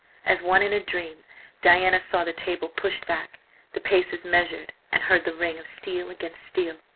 As one in a dream, Diana saw the table pushed back, the paces measured, and heard the ring of steel against steel.